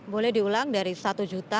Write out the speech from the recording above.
boleh diulang dari satu juta